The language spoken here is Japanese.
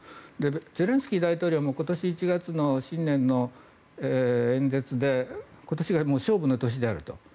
ゼレンスキー大統領も今年１月の新年の演説で今年が勝負の年であると。